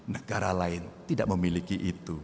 negara lain tidak memiliki itu